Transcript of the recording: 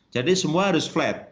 jadi semua harus flat